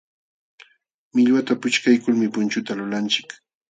Millwata puchkaykulmi punchuta lulanchik.